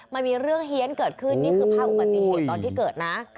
มันมีเรื่องเฮียนเกิดขึ้นนี่คือภาพอุบัติเหตุตอนที่เกิดนะ